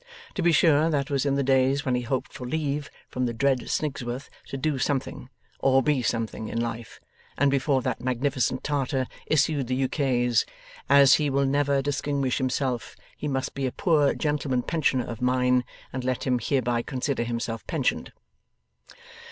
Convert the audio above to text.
To be sure that was in the days when he hoped for leave from the dread Snigsworth to do something, or be something, in life, and before that magnificent Tartar issued the ukase, 'As he will never distinguish himself, he must be a poor gentleman pensioner of mine, and let him hereby consider himself pensioned.